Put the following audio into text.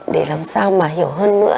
để làm sao mà hiểu hơn nữa